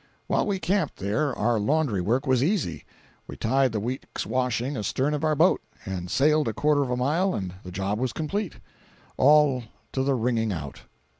While we camped there our laundry work was easy. We tied the week's washing astern of our boat, and sailed a quarter of a mile, and the job was complete, all to the wringing out.